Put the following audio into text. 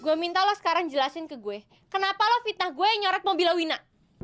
gue minta lo sekarang jelasin ke gue kenapa lo fitnah gue nyoret mobil lawina